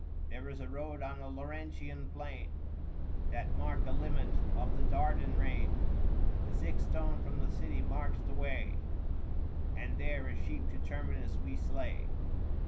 There is a road on the Laurentian plain That marked the limits of the Dardan reign ; The sixth stone from the city marks the way, And there a sheep to Terminus we slay.